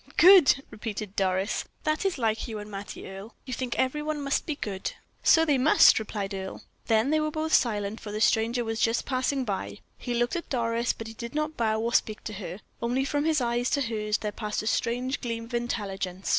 "Good!" repeated Doris; "that is like you and Mattie. Earle, you think every one must be good." "So they must," replied Earle. Then they were both silent, for the stranger was just passing by. He looked at Doris, but he did not bow or speak to her; only from his eyes to hers there passed a strange gleam of intelligence.